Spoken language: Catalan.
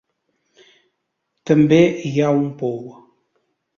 També hi ha un pou.